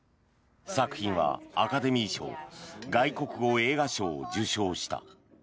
作品はアカデミー賞外国語映画賞を受賞した。